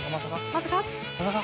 まさか。